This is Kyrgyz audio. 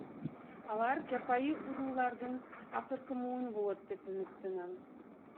Алар жапайы уруулардын акыркы мууну болот деп үмүттөнөм.